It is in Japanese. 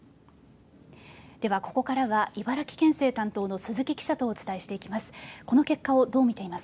では、ここからは茨城県政担当の鈴木記者とお伝えしていきます。